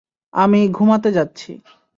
আমি ঘুমাতে যাচ্ছি।